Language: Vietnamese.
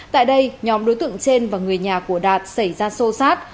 tại đây nhóm đối tượng trên và người nhà của đạt xảy ra sô sát